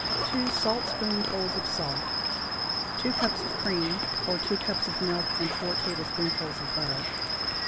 2 saltspoonfuls of salt. 2 cups of cream, or 2 cups of milk and 4 tablespoonfuls of butter.